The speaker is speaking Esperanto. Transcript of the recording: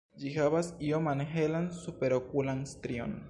Ĝi havas ioman helan superokulan strion.